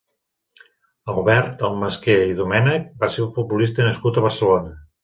Albert Almasqué i Domènech va ser un futbolista nascut a Barcelona.